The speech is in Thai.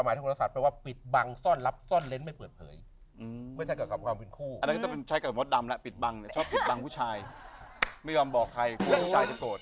ไม่ยอมบอกใครกลัวว่าผู้ชายจะโตด